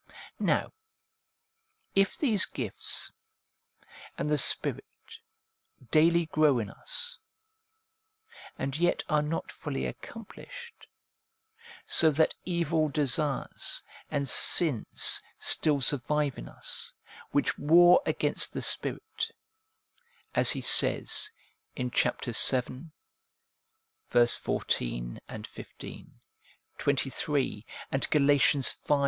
Now, if these gifts, and the Spirit, daily grow in us, and yet are not fully accomplished, so that evil desires and sins still survive in us, which war against the Spirit, as he says in PROLOGUE TO ROMANS 335 vii. 14, f., 23, and Gal. v.